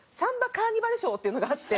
カーニバルショーっていうのがあって。